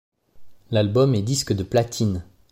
L'album est disque de platine.